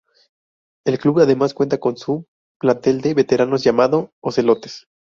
El club además cuenta con su plantel de veteranos llamado "Ocelotes".